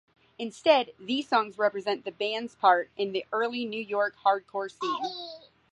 Instead, these songs represent the band's part in the early New York hardcore scene.